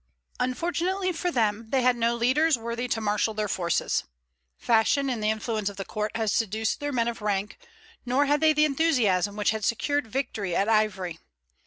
Unfortunately for them they had no leaders worthy to marshal their forces. Fashion and the influence of the court had seduced their men of rank; nor had they the enthusiasm which had secured victory at Ivry.